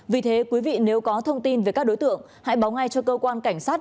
vì thế quý vị nếu có thông tin về các đối tượng hãy báo ngay cho cơ quan cảnh sát